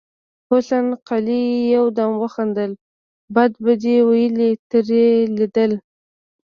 حسن قلي يودم وخندل: بد به دې ولې ترې ليدل.